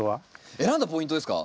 選んだポイントですか？